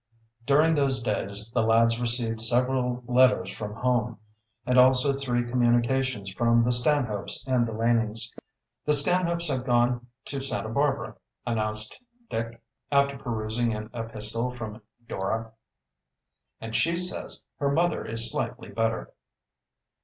During those days the lads received several letters from home, and also three communications from the Stanhopes and the Lanings. "The Stanhopes have gone to Santa Barbara," announced Dick, after perusing an epistle from Dora. "And she says her mother is slightly better."